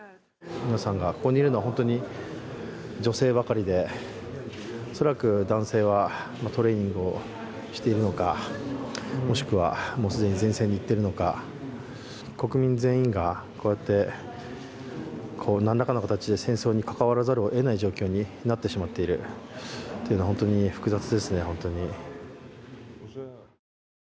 ここにいるのは本当に女性ばかりで、恐らく男性はトレーニングをしているのか、もしくは、既に前戦にいっているのか国民全員がこうやって、何らかの形で戦争に関わらざるをえない状況になってしまっているというのは本当に複雑ですね。